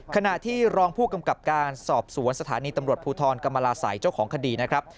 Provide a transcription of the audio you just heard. ขณะที่รองผู้กำกับการสอบสวนสถานีตำรวจภูทรกรรมลาศัยเจ้าของคดีนะครับ